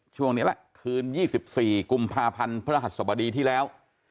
ช่วงนี้แหละคืน๒๔กุมภาพันธ์พระหัสสบดีที่แล้ว